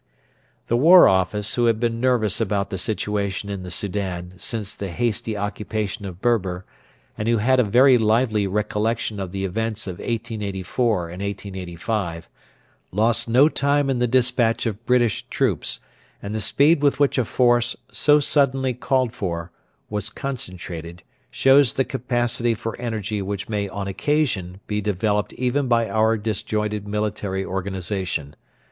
The War Office, who had been nervous about the situation in the Soudan since the hasty occupation of Berber, and who had a very lively recollection of the events of 1884 and 1885, lost no time in the despatch of British troops; and the speed with which a force, so suddenly called for, was concentrated shows the capacity for energy which may on occasion be developed even by our disjointed military organisation.